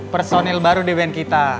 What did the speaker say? personil baru di band